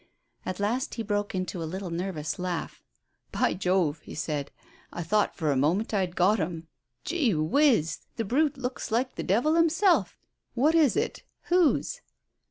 At last he broke into a little nervous laugh. "By Jove!" he said. "I thought for the moment I'd got 'em. Gee whizz! The brute looks like the devil himself. What is it? Whose?"